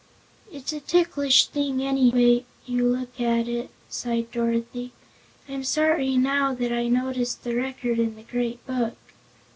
"It's a ticklish thing, anyhow you look at it," sighed Dorothy. "I'm sorry now that I noticed the Record in the Great Book."